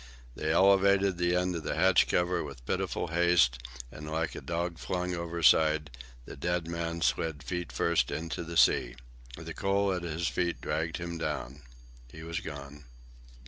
They elevated the end of the hatch cover with pitiful haste, and, like a dog flung overside, the dead man slid feet first into the sea. The coal at his feet dragged him down. He was gone.